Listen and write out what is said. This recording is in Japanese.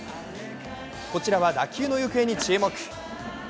こちらは打球の行方に注目。